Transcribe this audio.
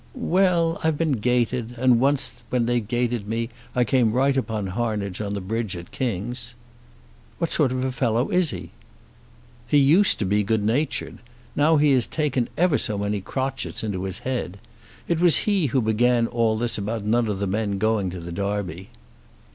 "Well, I've been gated, and once when they'd gated me I came right upon Harnage on the bridge at King's." "What sort of a fellow is he?" "He used to be good natured. Now he has taken ever so many crotchets into his head. It was he who began all this about none of the men going to the Derby."